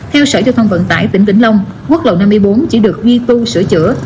theo sở giao thông vận tải tỉnh vĩnh long quốc lộ năm mươi bốn chỉ được duy tu sửa chữa